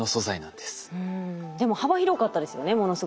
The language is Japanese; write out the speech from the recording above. でも幅広かったですよねものすごく。